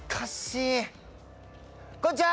こんにちは！